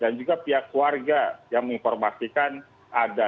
dan juga pihak warga yang menginformasikan adanya keluarga mereka yang berpengalaman